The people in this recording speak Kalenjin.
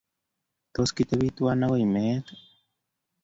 Tos kitebii tuwai agoi meet?